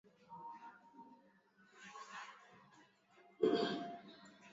aah miaka mitatu hivi iliopita